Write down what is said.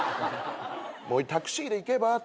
もういいタクシーで行けば。